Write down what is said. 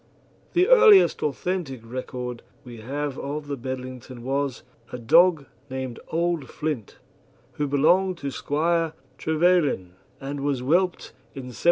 The earliest authentic record we have of the Bedlington was a dog named Old Flint, who belonged to Squire Trevelyan, and was whelped in 1782.